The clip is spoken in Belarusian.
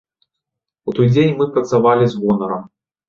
У той дзень мы працавалі з гонарам.